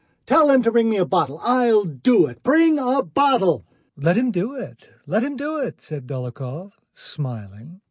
Tell them to bring me a bottle. I'll do it.... Bring a bottle!" "Let him do it, let him do it," said Dólokhov, smiling.